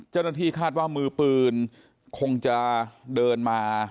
เจ้าหน้าที่คาดว่ามือปืนคงจะเดินมา